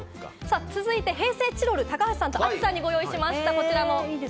続いて平成チロルを高橋さんと亜希さんにご用意しました。